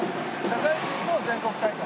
社会人の全国大会。